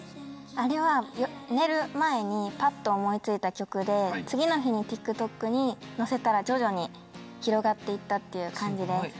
あれは寝る前にパッと思い付いた曲で次の日にＴｉｋＴｏｋにのせたら徐々に広がって行ったっていう感じです。